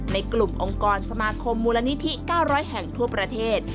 ในกลุ่มองค์กรสมาคมมูลนิธิ๙๐๐แห่งทั่วประเทศ